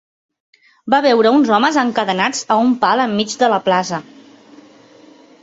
Va veure uns homes encadenats a un pal enmig de la plaça.